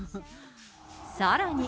さらに。